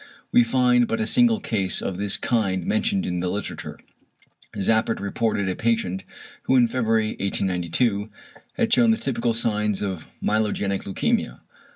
We find but a single case of this kind mentioned in the literature. Zappert reported a patient, who in February, 1892, had shewn the typical signs of myelogenic leukæmia.